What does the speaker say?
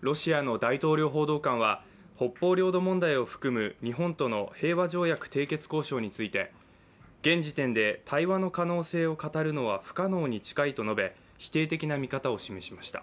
ロシアの大統領報道官は北方領土問題を含む日本との平和条約締結交渉について現時点で対話の可能性を語るのは不可能に近いと述べ否定的な見方を示しました。